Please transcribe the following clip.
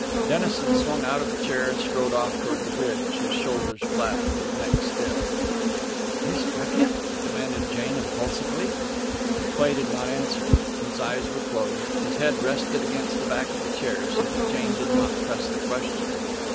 Dennison swung out of the chair and strode off toward the bridge, his shoulders flat and his neck stiff. "You struck him?" demanded Jane, impulsively. But Cleigh did not answer. His eyes were closed, his head rested against the back of the chair so Jane did not press the question.